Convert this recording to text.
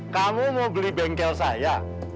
kamu mau beli bengkel saya